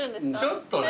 ちょっとね。